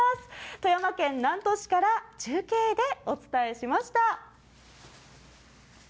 富山県南砺市から中継でお伝えしました。